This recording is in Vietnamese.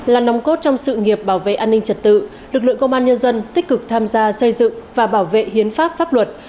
là nồng cốt trong sự nghiệp bảo vệ an ninh trật tự lực lượng công an nhân dân tích cực tham gia xây dựng và bảo vệ hiến pháp pháp luật